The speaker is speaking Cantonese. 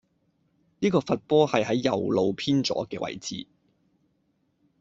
呢個罰波係喺右路偏左既位置